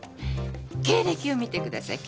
経歴を見てください。